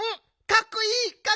かっこいい！